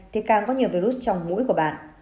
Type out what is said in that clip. thì càng có nhiều virus trong mũi của bạn